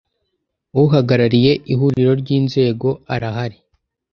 uhagarariye Ihuriro ry Inzego arahari